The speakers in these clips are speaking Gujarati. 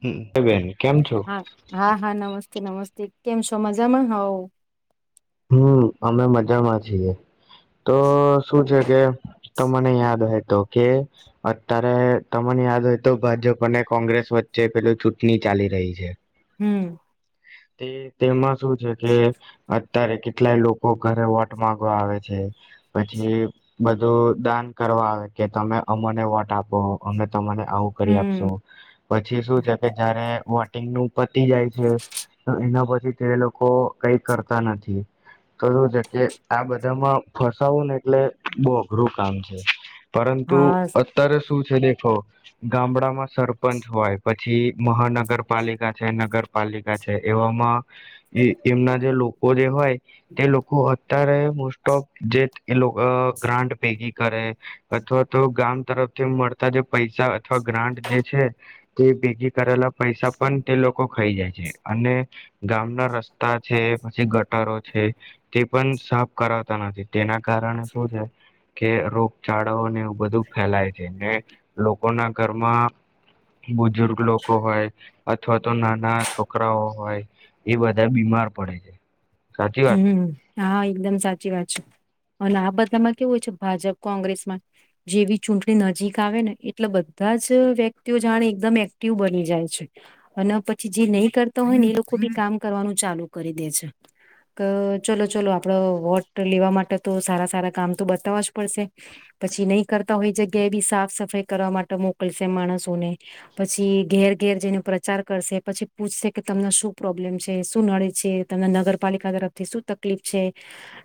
હમ એ બે હા હા હા નમસ્ નમસ્તે કેમ છો મજામાં હવ હમ અમે મજામાં છીએ તો શું છે કે તમને યાદ હોય તો કે અત્યારે તમને યાદ હોય તો ભાજપ અને કોંગ્રેસ વચ્ચે પેલું ચૂંટણી ચાલી રહી છે હમ તે તેમાં શું છે કે અત્યારે કેટલાય લોકો ઘરે વોટ માંગવા આવે છે પછી બધું દાન કરવા આવે કે તમે અમને વોટ આપો અમે તમાને આવું કરી હમ આપશો પછી શું છે કે જયારે વોટિંગ નું પતી જાય છે તો એના પછી તે લોકો કઈ કરતા નથી તો શું છે કે આ બધામાં ફસાવું ને એટલે બહ અઘરું કામ છે પરંતુ હા અત્યારે શું દેખો ગામડામાં સરપંચ હોય પછી મહાનગરપાલિકા છે નગરપાલિકા એવામાં એમના જે લોકો જે હોય તે લોકો અત્યારે મોસ્ટ ઓફ જે એ લોકો ગ્રાન્ટ ભેગી કરે અથવા તો ગામ તરફથી મળતા જે પૈસા અથવા ગ્રાન્ટ જે છે તે ભેગી કરેલા પૈસા પણ તે લોકો ખાઈ જાય છે અને ગામના રસ્તા છે પછી ગટરો છે તે પણ સાફ કરાવતા નથી તેના કારણે શું છે કે રોગચાળાઓને એવું બધું ફેલાય છે ને લોકોના ઘરમાં બુજુર્ગ લોકો હોય અથવા તો નાના છોકરા છકરાઓ હોય એ બધા બીમાર પડે છે સાચી વાત ને હમ હા એકદમ સાચી વાત છે અને આ બધામાં કેવું હોય છે ભાજપ કોંગ્રેસમાં જેવી ચૂંટણી નજીક આવે ને એટલે બધા જ વ્યક્તિઓ જાણે એકદમ એક્ટિવ બની જાય છે અને પછી જે નહી કરતા હોય ને એ લોકો બી કામ કરવાનું ચાલુ કરી દે છે ચલો ચલો આપડો વોટ લેવા માટે તો સારા સારા કામ તો બતાવવા જ પડશે પછી નહી કરતા હોય જગ્યાએ બી સાફ સફાઈ કરવા માટે મોકલશે માણસોને પછી ઘેર ઘેર જઈને પ્રચાર કરશે પછી પૂછશે કે તમને શું પ્રોબ્લેમ છે શું નડે છે તમને નગરપાલિકા તરફથી શું તક છે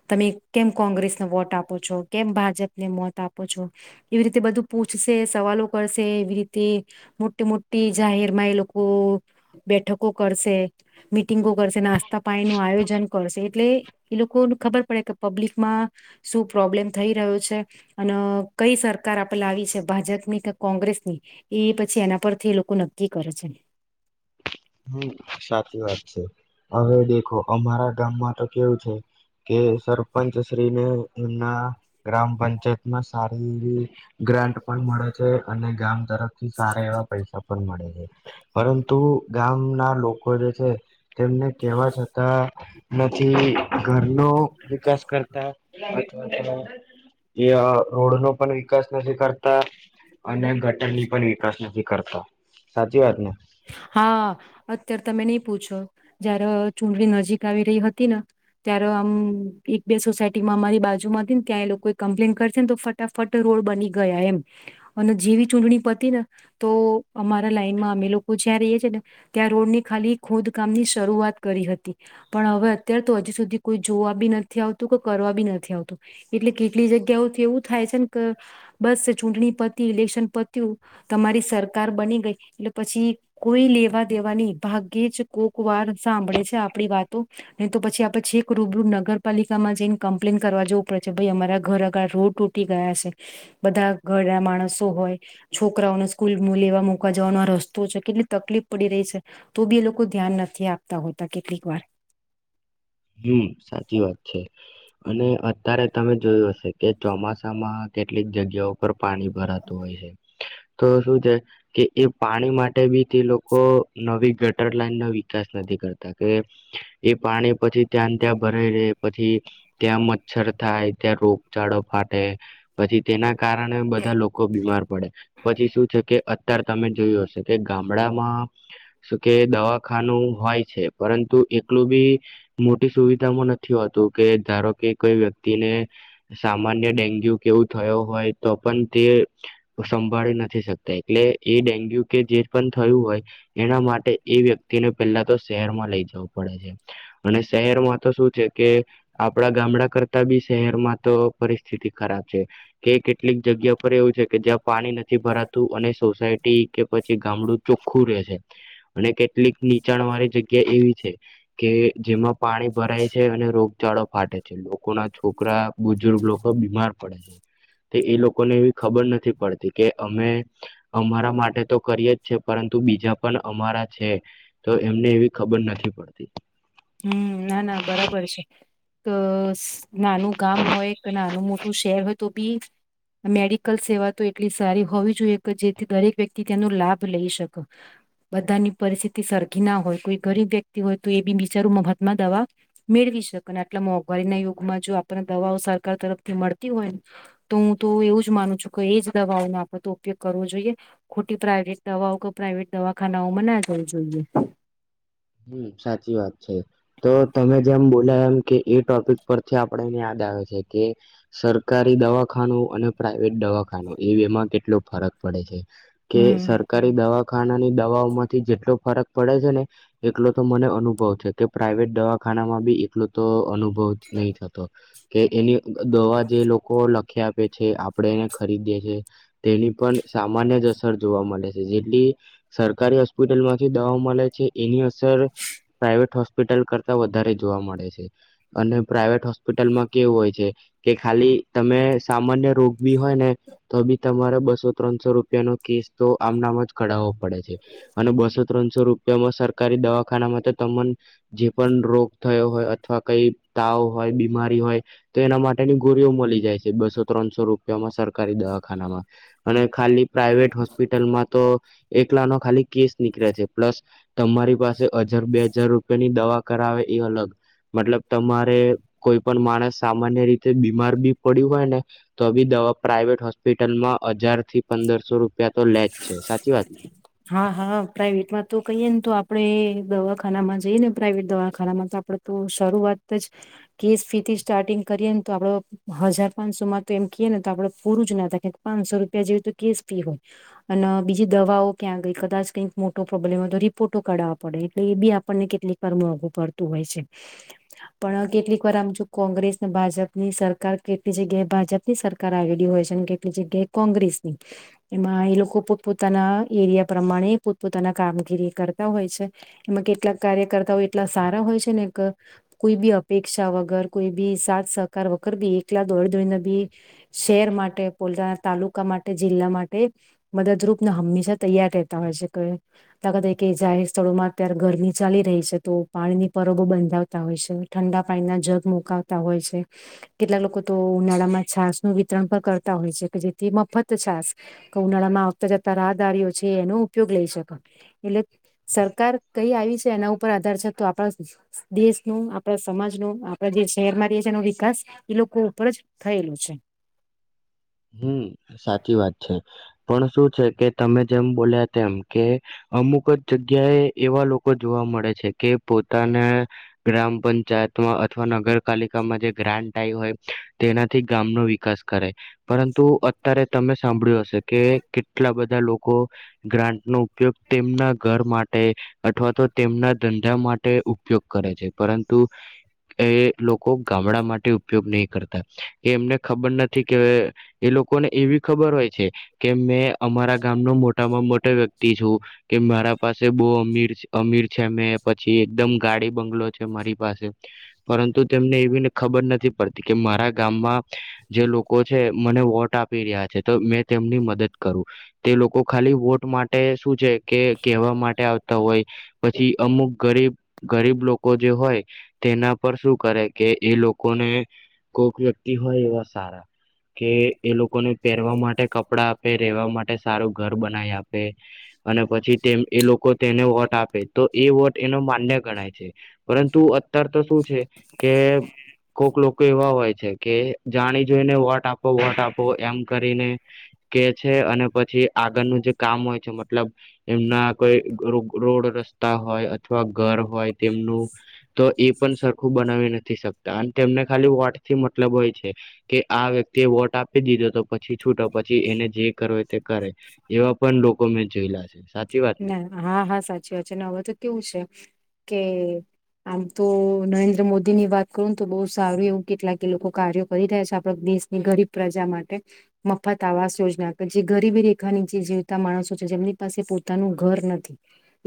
તમે કેમ કોંગ્રેસને વોટ આપો છો કેમ ભાજપને મોત આપો છો એવી રીતે બધું પૂછશે સવાલો કરશે એવી રીતે મોટી મોટી જાહેરમાં એ લોકો બેઠકો કરશે મિટિંગો કરશે નાસ્તા પાાય નું આયોજન કરશે એટલે એ લોકોને ખબર પડે કે પબ્લિકમાં શું પ્રોબ્લેમ થઈ રહ્યો છે અને કઈ સરકાર આપે લાવી છે ભાજપ ની કે કોંગ્રેસની એ પછી એના પરથી એ લોકો નક્કી કરે છે હમ સાચી વાત છે હવે દેખો અમારા ગામમાં તો કેવું છે કે સરપંચ શ્રીને એમના ગ્રામ પંચાયતમાં સારી એવી ગ્રાન્ટ પણ મળે છે અને ગામ તરફ થી સારા એવા પૈસા પણ મળે છે પરંતુ ગામના લોકો જે છે તેમને કેવા છતાં નથી ઘરનોો વિકાસ કરતા અથવા તો એ રોડ નો પણ વિકાસ નથી કરતા અને ગટર ની પણ વિકાસ નથી કરતા સાચી વાત ને હા અત્યારે તમે નહી પૂછો જય્યારે ચૂંટણી નજીક આવી રહી હતી ને ત્યારે આમ એક બે સોસાયટીમાં અમારી બાજુ માં હતી ને ત્યાં એ લોકો કમ્પ્લેન કરશે ને તો ફટાફટ રોડ બની ગયા એમ અને જેવી ચૂંટણી પતી ને તો અમારા લાઈનમાં અમે લોકો જ્યાં ર છે ને ત્યાં રોડ ની ખાલી ખોદકામની શરૂઆત કરી હતી પણ હવે અત્યારે તો હજીુ સુધી કોઈ જોવા બી નથી આવતું કે કરવા બી નથી આવતું એટલે કેટલી જગ્યાઓથી એવું થાય છે ને કે બસ ચૂંટણી પતી ઇલેક્શન પતું તમારી સરકાર બની ગઈ એટલે પછી કોઈ લેવા દેવા નહી ભાગ્યે જ કોક વાર સાંભળે છે આપડી વાતો નહી તો પછી આપડે છેક રૂબરૂ નગરપાલિકામાં જઈને કમ્પ્લેન કરવા જવું પડે છે ભાઈ અમારા ઘર આગળ રોડ તૂટી ગયા છે બધા ઘરના માણસો હોય છોકરાઓને સ્કૂલ લેવા મુકા જવાનો રસ્તો છે કેટલી તકલીફ પડી રહી છે તો બી એ લોકો ધ્યાન નથી આપતા હોતા કેટલીક વાર હમ સાચી વાત છે અને અત્યારે તમે જોયું હશે કે ચોમાસામાં કેટલીક જગ્યાઓ પર પાણી ભરાતું હોય છે તો શું છે કે એ પાણી માટે બી તે લોકો નવી ગટર લાઈન ન વિકાસ નથી કરતા કે એ પાણી પછી ત્યાં ત્યાં ભરાઈ રહેે પછી ત્યાં મચ્છર થાય ત્યાં રોગચાળો ફાટે પછી તેના કારણે બધા લોકો બીમાર પડે પછી શું છે કે અતાર તમે જોયું હશેો કે ગામડામાં શ કે દવાખાનું હોય છે પરંતુ એકલું બી મોટી સુવિધામાં નથી હોતું કે ધારો કે કોઈ વ્યક્તિને સામાન્ય ડેન્ગ્યુ કેવું થયો હોય તો પણ તે સંભાળી નથી શકતા એટલે એ ડેન્ગ્યુ કે જે પણ થયું હોય એના માટે એ વ્યક્તિને પેલા તો શહેરમાં લઈ જવું પડે છે અને શહેરમાં તો શું છે કે આપડા ગામડા કરતા બી શહેરમાં તો પરિસ્થિતિ ખરાબ છે કે કેટલીક જગ્યા પર એવું છે કે જ્યાં પાણી નથી ભરાતું અને સોસાયટી કે પછી ગામડું ચોખ્ખું રહે છે અને કેટલીક નીચાણ વાળી જગ્યા એવી છે કે જેમાં પાણી ભરાય છે અને રોગચાળો ફાટે છે લોકોના છોકરા બુજુર્ગ લોકો બીમાર પડે છે તે એ લોકોને એવી ખબર નથી પડતી કે અમે અમારા માટે તો કરીએ જ છે પરંતુ બીજા પણ અમારા છે તો એમને એવી ખબર નથી પડતી હમ ના ના બરાબર છે અ નાનું ગામ હોય કે નાનું મોટું શહેર હોય તો બી મેડિકલ સેવા તો એટલી સારી હોવી જોઈએ કે જેથી દરેક વ્યક્તિ તેનો લાભ લઈ શકે બધાની પરિસ્થિતિ સરખી ના હોય કોઈ ગરીબ વ્યક્તિ હોય તો એ બીી ચારુ મફતમાં દવા મેળવી શકે ને આટલા મોંઘવારીના યુગમાં જો આપને દવાઓ સરકાર તરફથી મળતી હોયને તો હું તો એવું જ માનું છું કે એજ દવાઓનો આપણે તો ઉપયોગ કરવો જોઈએ ખોટી પ્રાઇવેટ દવાઓ કે પ્રાઇવેટ દવાખાનાઓમાં ના જવું જોઈએ હમ સાચી વાત છે તો તમે જેમ બોલા એમ કે એ ટોપિક પરથી આપેને યાદ આવે છે કે સરકારી દવાખાનું અને પ્રાાઈવેટ દવાખાનું એ એમાં કેટલો ફરક પડે છે કે હમ સરકારી દવા ખાનાની દવાઓ માંથી જેટલો ફરક પડે છે ને એટલો તો મને અનુભવ છે કે પ્રાાઈવેટ દવાખાનામાં બી એટલો તો અનુભવ નહી થતો કે એની દવા જે લોકો લખ્યા આપે છે આપણે એને ખરીદીે છ છે તેની પણ સામાન્ય જ અસર જોવા મળે છે જેટલી સરકારી હોસ્પિટલ માંથી દવા મળે છે એની અસર પ્રાઈવેટ હોસ્પિટલ કરતા વધારે જોવા મળે છે અને પ્રાઇવેટ હોસ્પિટલમાં કેવું હોય છે કે ખાલી તમે સામાન્ય રોગ બી હોય ને તમે તમારે બસો ત્રણસો રૂપિયા નો કીસ તો આમનામ જ ઘઢાવવો પડે છે અને બસો ત્રણસો રૂપિયામાં સર સરકારી દવાખાનામાં તો તમને જે પણ રોગ થયો હોય અથવા કઈ તાવ હોય બીમારી હોય તો એના માટેની ગોળીઓ મળી જાય છે બસો ત્રણસો રૂપિયામાં સરકારી દવાખાનામાં અને ખાલી પ્રાાઈવેટ હોસ્પિટલમાં તો એકલા નો ખાલી કેસ નીકળે છે પ્લસ તમારી પાસે હજાર બે હજાર રૂપિયાની દવા કરાવે એ અલગ મતલબ તમારે કોઈ પણ માણસ સામાન્ય રીતે બીમાર બી પડ્યું હોય ને તો બી દવા પ્રાઇવેટ હોસ્પિટલમાં હજાર થી પંદરસો રૂપિયા તો લેજ છે સાચી વાત ને હા હા પ્રાઈવેટમાં તો કહીયએ ને તો આપડે દવાખાનામાં જઈએ ને પ્રાાઈવેટ દવાખાનામાં તો આપડે તો શરૂઆત જ કેસ ફી થી સ્ટાર્ટિંગ કરીએ ને તો આપડો હજાર પાંચસો માં તો એમ કએ ને તો આપડે પૂરું જ ના હતા પાંચસો રૂપિયા જેવી તો કેસ ફી હોય અને બીજી દવાઓ ક્યાં કદાચ કંઈક મોટો પ્રોબ્લેમ હોય તો રિપોર્ટો કાઢાવવા પડે એટલે એ બી આપણને કેટલીક વાર મોઘું પડતું હોય છે પણ કેટલીક વાર આમ જો કોંગ્રેસને ભાજપ ની સરકાર કેટલી જગ્યાએ ભાજપ ની સરકાર આવેલી હોય છે અને કેટલી જગ્યાએ કોંગ્રેસની એમાં એ લોકો પોત પોતાના એરિયા પ્રમાણે પોતપોતાના કામગીરી કરતા હોય છે એમાં કેટલાક કાર્યકર્તાઓ એટલા સારા હોય છે ને કોઈ બી અપેક્ષા વગર કોઈ બી સાથ સહકાર વગર બી એકલા દોડ દોડીને બી શહેર માટે પોલતાના તાલુકા માટે જિલ્લા માટે મદદરૂપ હંમેશા તૈયાર રહેતા હોય છે કેખ કે જાહેર સ્થળોમાં અત્યારે ગરમી ચાલી રહી છે તો પાણીની પરબો બંધાવતા હોય છે ઠંડા પાણીના જગ મુકાવતા હોય છે કેટલાક લોકો તો ઉનાળામાં છાસનુંું વિતરણ પણ કરતા હોય છે કે જેથી મફત છાસ કે ઉનાળામાં આવતા જતા રાહદારીઓ છે એનો ઉપયોગ લઈ શકો એટલે સરકાર કઈ આવી છે એના ઉપર આધાર છે તો આપણા દેશ ન આપણા સમાજ ન આપડા જે શહેરમાં રહીએ છી એનો વિકાસ એ લોકો ઉપર જ થયેલો છે હમ સાચી વાત છે પણ શું છે કે તમે જેમ બોલ્યા તેમ કે અમુક જ જગ્યાએ એવા લોકો જોવા મળે છે કે પોતાના ગ્રામ પંચાયતમાં અથવા નગરપાલિકામાં જે ગ્રાન્ટ આ હોય તેનાથી ગામનો વિકાસ કરે પરંતુ અત્યારે તમે સાંભળ્યું હશે કે કેટલા બધા લોકો ગ્રાન્ટનો ઉપયોગ તેમના ઘર માટે અથવા તો તેમના ધંધા માટે ઉપયોગ કરે છે. પરંતુ એ લોકો ગામડા માટે ઉપયોગ નહીં કરતા એ એમને ખબર નથી કે, એ લોકોને એવી ખબર હોય છે કે મેં અમારા ગામનો મોટામાં મોટો વ્યક્તિ છું કે મારા પાસે બહુ અમીર અમીર છે. મેં પછી એકદમ ગાડી બંગલો છે. મારી પાસે પરંતુ તેમને એવી ને ખબર નથી પડતી કે મારા ગામમાં જે લોકો છે. મને વોટ આપી રહ્યા છે તો મેં તેમની મદદ કરું તે લોકો ખાલી વોટ માટે શું છે કે કહેવા માટે આવતા હોય પછી અમુક ગરીબ ગરીબ લોકો જે હોય તેના પર શું કરે કે એ લોકોને કોક વ્યક્તિ હોય એવા સારા. કે એ લોકોને પહેરવા માટે કપડાં આપે રેવા માટે સારું ઘર બનાવી આપે અને પછી એ લોકો તેને વોટ આપે તો એ વોટ એનો માન્ય ગણાય છે. પરંતુ અત્યાર તો શું છે. કે કોક લોકો એવા હોય છે. કે જાણી જોઈને વોટ આપશે વોટ આપો એમ કરીને કે છે. અને પછી આગળનું જે કામ હોય છે. મતલબ એમના કોઈ રોડ રસ્તા હોય અથવા ઘર હોય તેમનું, તો એ સરખું બનાવી નથી શકતા અને તેમને ખાલી વોટ થી મતલબ હોય છે. કે આ વ્યક્તિ તે વોટ આપી દીધો હતો પછી. છૂટ્યા પછી એને જે કરો તે કરે એવા પણ લોકો મેં જોયેલા છે. સાચી વાત ને ના હા, હા, સાચી વાત છે. ને હવે તો કેવું છે. કે આમ તો નરેન્દ્ર મોદી ની વાત કરું ને તો બહુ સારું એવું કેટલાક એ લોકો કાર્યો કરી રહ્યા છે આપડ દેશની ગરીબ પ્રજા માટે મફત આવાસ યોજના કે જે ગરીબી રેખાની નીચે જીવતા માણસો છે જેમની પાસે પોતાનું ઘર નથી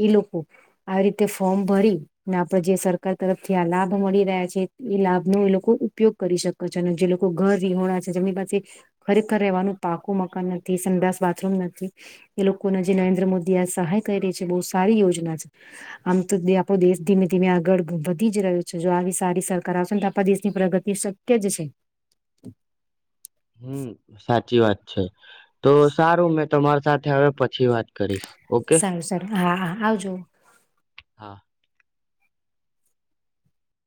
એ લોકો આવી રીતે ફોર્મ ભરી ને આપડ જે સરકાર તરફથી આ લાભ મળી રહ્યા છે એ લાભનોો એ લોકો ઉપયોગ કરી શકો છે. અને જે લોકો ઘર વિહોણા છે. જેમની પાસે ખરેખર રહેવાનું પાકું મકાન નથી સંડાસ, બાથરૂમ નથી એ લોકો ને. જે નરેન્દ્ર મોદી આ સહાય કરી રહી છે બહુ સારી યોજના છે. આમ તો આપણો દેશ ધીમે ધીમે આગળ વધી જ રહ્યો છે. જો આવી સારી સરકાર આવશે ને તો આપણા દેશની પ્રગતિ શક્ય જ છે. હમ સાચી વાત છે. તો સારૂ મેં તમારી સાથે હવે પછી વાત કરીશ. ઓકે સારું સારું હા હા આવજો. હા